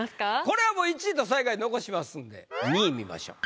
これはもう１位と最下位残しますんで２位見ましょう。